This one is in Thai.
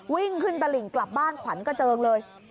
วิ่งขึ้นตลิ่งกลับบ้านขวัญกระเจิงเลย